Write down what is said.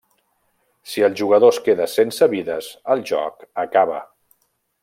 Si el jugador es queda sense vides, el joc acaba.